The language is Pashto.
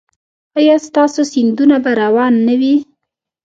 ایا ستاسو سیندونه به روان نه وي؟